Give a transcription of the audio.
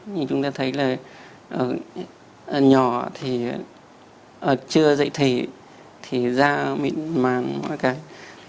như chúng ta thấy là nhỏ thì chưa dậy thầy thì da mịn màng mọi cái